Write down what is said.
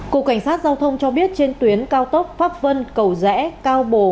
cục cảnh sát giao thông cho biết trên tuyến cao tốc pháp vân cầu rẽ cao bồ